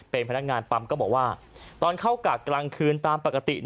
การงานปั๊มก็บอกว่าตอนเข้ากากกลางคืนตามปกติ